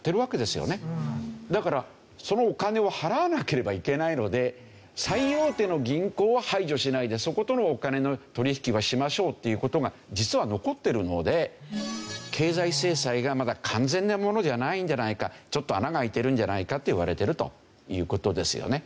だからそのお金を払わなければいけないので最大手の銀行は排除しないでそことのお金の取引はしましょうっていう事が実は残ってるので経済制裁がまだ完全なものじゃないんじゃないかちょっと穴が開いてるんじゃないかといわれてるという事ですよね。